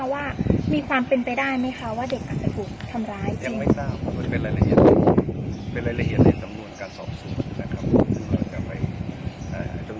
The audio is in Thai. ว่ามีความเป็นไปได้ไหมค่ะว่าเด็กอาจจะถูกทำร้ายจริง